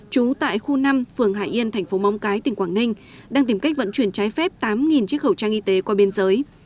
trú tại khu năm phường hải yên thành phố móng cái tỉnh quảng ninh đang tìm cách vận chuyển trái phép tám chiếc khẩu trang y tế qua biên giới